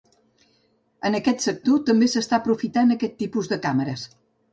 En aquest sector també s'està aprofitant aquest tipus de càmeres.